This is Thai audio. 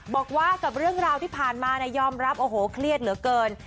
บอกว่ากับเรื่องราวที่ผ่านมายอมรับโอ้โหเครียดเหลือเกิน